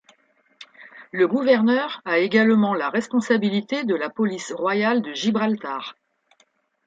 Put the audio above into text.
Le gouverneur a également la responsabilité de la Police royale de Gibraltar.